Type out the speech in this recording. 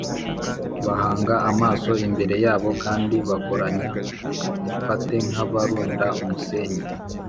bahanga amaso imbere yabo kandi bakoranya imfate nk’abarunda umusenyi